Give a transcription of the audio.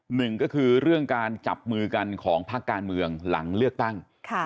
หนึ่งก็คือเรื่องการจับมือกันของภาคการเมืองหลังเลือกตั้ง